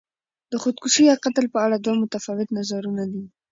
د خودکشي یا قتل په اړه دوه متفاوت نظرونه دي.